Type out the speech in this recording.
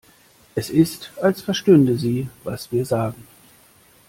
Es ist, als verstünde sie, was wir sagen.